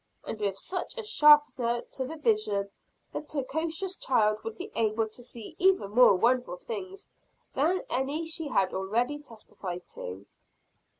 And with such a sharpener to the vision, the precocious child would be able to see even more wonderful things than any she had already testified to.